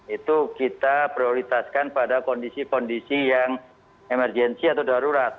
itu kita prioritaskan pada kondisi kondisi yang emergensi atau darurat